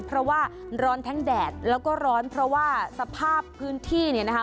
เพราะว่าร้อนทั้งแดดแล้วก็ร้อนเพราะว่าสภาพพื้นที่เนี่ยนะคะ